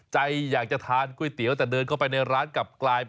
ใจอยากจะทานก๋วยเตี๋ยวแต่เดินเข้าไปในร้านกลับกลายเป็น